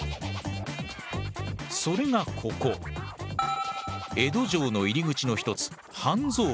それがここ江戸城の入り口の一つ半蔵門。